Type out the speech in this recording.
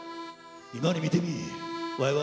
今にみてみい！